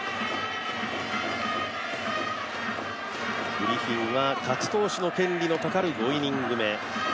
グリフィンは勝ち投手の権利がかかる５イニング目。